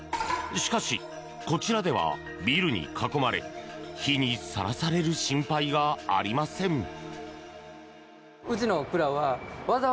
しかし、こちらではビルに囲まれ日にさらされる心配がありません。